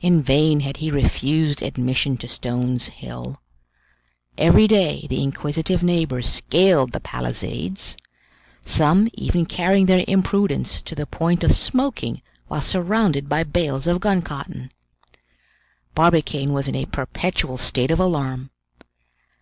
In vain had he refused admission to Stones Hill; every day the inquisitive neighbors scaled the palisades, some even carrying their imprudence to the point of smoking while surrounded by bales of gun cotton. Barbicane was in a perpetual state of alarm.